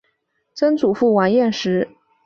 曾祖父王彦实。